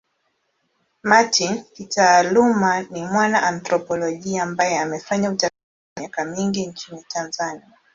Martin kitaaluma ni mwana anthropolojia ambaye amefanya utafiti kwa miaka mingi nchini Tanzania.